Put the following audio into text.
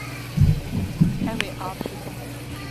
Ew ê av bidin.